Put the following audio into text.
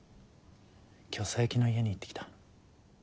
今日佐伯の家に行ってきた。